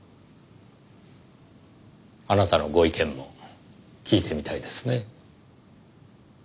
あなたのご意見も聞いてみたいですね。